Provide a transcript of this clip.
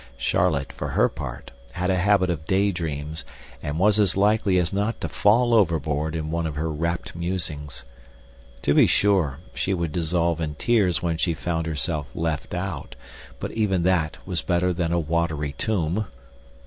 Charlotte, for her part, had a habit of day dreams, and was as likely as not to fall overboard in one of her rapt musings. To be sure, she would dissolve in tears when she found herself left out; but even that was better than a watery tomb.